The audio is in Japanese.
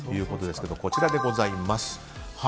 こちらでございます。